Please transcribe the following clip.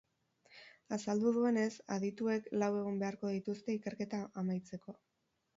Azaldu duenez, adituek lau egun beharko dituzte ikerketa amaitzeko.